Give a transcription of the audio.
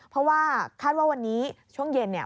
เพราะว่าคาดว่าวันนี้ช่วงเย็นเนี่ย